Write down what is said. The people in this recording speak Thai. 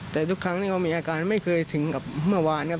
แต่ทุกครั้งที่เขามีอาการไม่เคยถึงกับเมื่อวานครับ